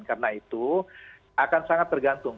karena itu akan sangat tergantung